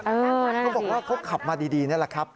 เออนั่นแหละดีเขาบอกว่าเขาขับมาดีนั่นแหละครับ